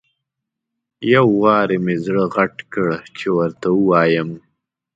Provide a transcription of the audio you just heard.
یو وارې مې زړه غټ کړ چې ورته ووایم.